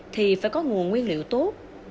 thì phải có nguồn nguyên liệu tốt